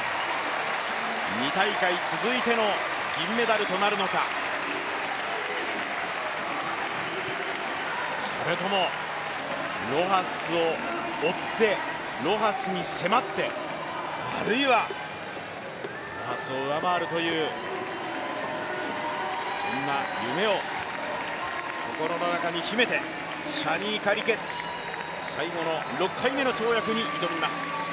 ２大会続いての銀メダルとなるのかそれともロハスを追って、ロハスに迫って、あるいはロハスを上回るという、そんな夢を心の中に秘めて、シャニーカ・リケッツ、最後の６回目の跳躍に挑みます。